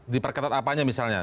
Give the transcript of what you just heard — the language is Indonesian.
diperketat apanya misalnya